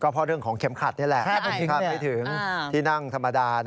เพราะเรื่องของเข็มขัดนี่แหละคาดไม่ถึงที่นั่งธรรมดา